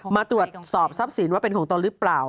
มาตรวจสอบทรัพย์สินว่าเป็นของตนหรือเปล่า